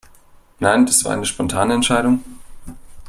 Nein, das war eine spontane Entscheidung.